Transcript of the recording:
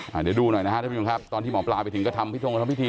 เดี๋ยวดูหน่อยนะฮะท่านผู้ชมครับตอนที่หมอปลาไปถึงก็ทำพิธงทำพิธี